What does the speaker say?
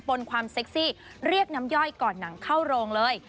นความเซ็กซี่เรียกน้ำย่อยก่อนหนังเข้าโรงเลย